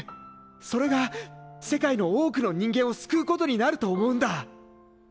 それが世界の多くの人間を救うことになると思うんだ！